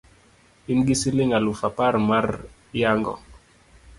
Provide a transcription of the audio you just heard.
in gi siling' aluf apar mar yang'o?